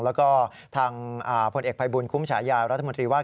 แล้วก็ทางผลเอกภัยบุญคุ้มฉายารัฐมนตรีว่า